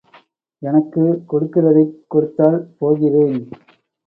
எனக்குக் கொடுக்கிறதைக் கொடுத்தால் போகிறேன்.